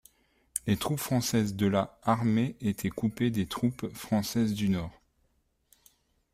Les troupes françaises de la Armée étaient coupées des troupes françaises du Nord.